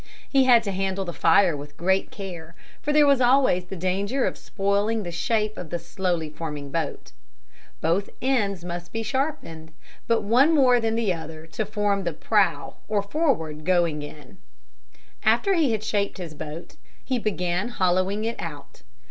He had to handle the fire with great care for there was always the danger of spoiling the shape of the slowly forming boat. Both ends must be sharpened, but one more than the other to form the prow or forward going end. After he had shaped his boat, he began hollowing it out.